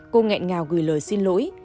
cô ngẹn ngào gửi lời xin lỗi